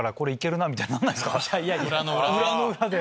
裏の裏で。